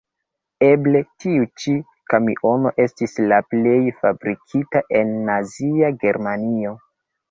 Eble, tiu ĉi kamiono estis la plej fabrikita en Nazia Germanio.